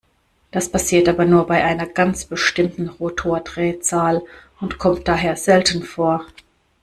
Das passiert aber nur bei einer ganz bestimmten Rotordrehzahl und kommt daher selten vor.